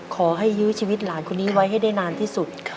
ยื้อชีวิตหลานคนนี้ไว้ให้ได้นานที่สุด